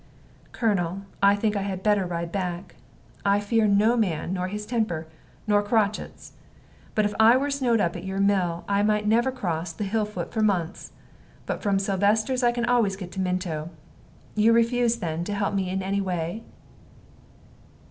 "Colonel, I think I had better ride back. I fear no man, nor his temper, nor crotchets. But if I were snowed up at your mill, I never might cross the hill foot for months; but from Sylvester's I can always get to Minto. You refuse, then, to help me in any way?"